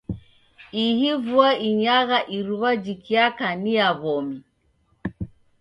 Ihi vua inyagha iruwa jikiaka ni ya w'omi.